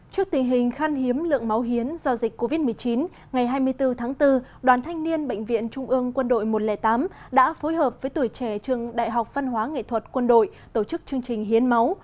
trước tình hình khan hiếm lượng máu hiến do dịch covid một mươi chín ngày hai mươi bốn tháng bốn đoàn thanh niên bệnh viện trung ương quân đội một trăm linh tám đã phối hợp với tuổi trẻ trường đại học văn hóa nghệ thuật quân đội tổ chức chương trình hiến máu